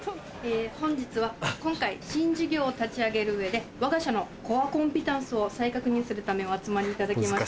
本日は今回新事業を立ち上げる上でわが社のコア・コンピタンスを再確認するためお集まりいただきました。